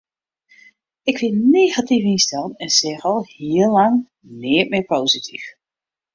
Ik wie negatyf ynsteld en seach al hiel lang neat mear posityf.